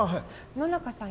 野中さん